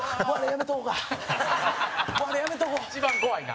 陣内：一番怖いな。